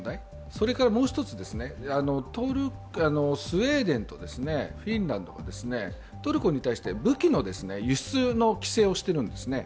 それからもう１つ、スウェーデンとフィンランドはトルコに対して武器の輸出の規制をしているんですね